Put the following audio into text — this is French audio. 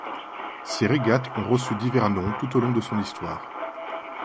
Ces régates ont reçu divers noms tout au long de son histoire.